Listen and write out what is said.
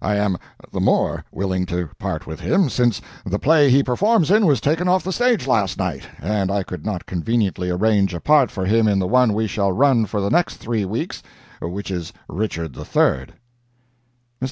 I am the more willing to part with him, since the play he performs in was taken off the stage last night, and I could not conveniently arrange a part for him in the one we shall run for the next three weeks, which is Richard III." Mr.